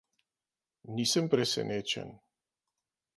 Nisem presenečen.